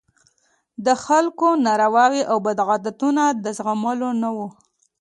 د خلکو نارواوې او بدعتونه د زغملو نه وو.